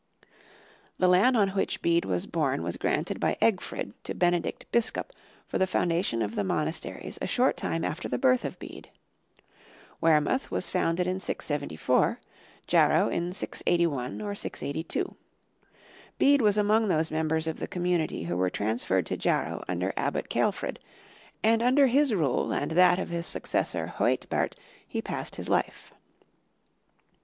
The land on which Bede was born was granted by Egfrid to Benedict Biscop for the foundation of the monasteries a short time after the birth of Bede. Wearmouth was founded in 674, Jarrow in 681 or 682. Bede was among those members of the community who were transferred to Jarrow under Abbot Ceolfrid, and under his rule and that of his successor, Huaetbert, he passed his life.